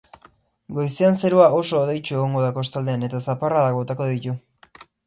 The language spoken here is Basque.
Goizean zerua oso hodeitsu egongo da kostaldean eta zaparradak botako ditu.